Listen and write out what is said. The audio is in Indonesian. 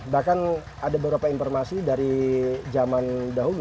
bahkan ada beberapa informasi dari zaman yang lalu